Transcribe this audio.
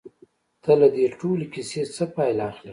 ته له دې ټولې کيسې څه پايله اخلې؟